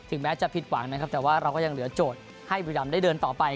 แม้จะผิดหวังนะครับแต่ว่าเราก็ยังเหลือโจทย์ให้บุรีรำได้เดินต่อไป